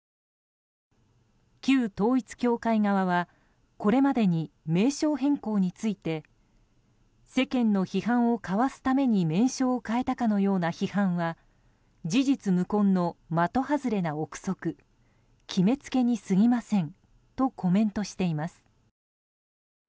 旧統一教会側は、これまでに名称変更について世間の批判をかわすために名称を変えたかのような批判は事実無根の的外れな憶測決めつけにすぎませんとコメントしています。